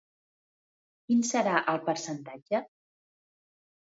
Quin serà el percentatge?